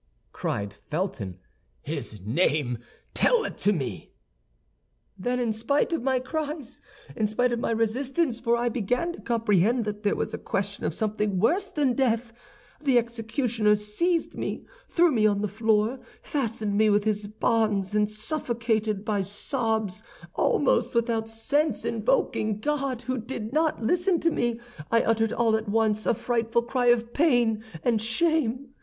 cried Felton. "His name, tell it me!" "Then in spite of my cries, in spite of my resistance—for I began to comprehend that there was a question of something worse than death—the executioner seized me, threw me on the floor, fastened me with his bonds, and suffocated by sobs, almost without sense, invoking God, who did not listen to me, I uttered all at once a frightful cry of pain and shame.